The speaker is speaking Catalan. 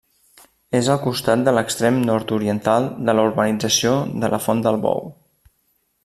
És al costat de l'extrem nord-oriental de la urbanització de la Font del Bou.